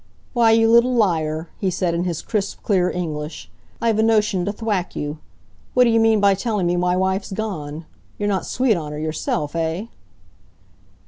"Why, you little liar!" he said, in his crisp, clear English. "I've a notion to thwack you. What d' you mean by telling me my wife's gone? You're not sweet on her yourself, eh?"